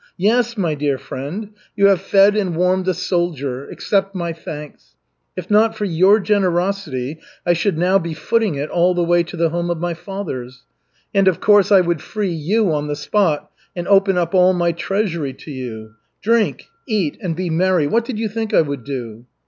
Yes, my dear friend, you have fed and warmed a soldier, accept my thanks. If not for your generosity, I should now be footing it all the way to the home of my fathers. And, of course, I would free you on the spot and open up all my treasury to you drink, eat and be merry. What did you think I would do?"